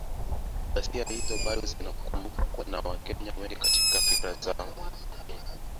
Ghasia hizo bado zinakumbukwa na Wakenya wengi katika fikra zao